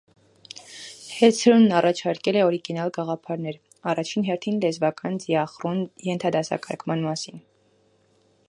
Հեցրոնն առաջարկել է օրիգինալ գաղափարներ՝ առաջին հերթին լեզվական դիախրոն ենթադասակարգման մասին։